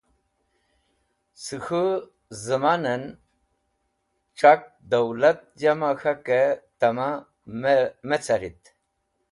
Cẽ k̃hũ zẽmanẽn c̃hak dowlat jama k̃hakẽ tẽma me carit.